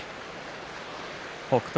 北勝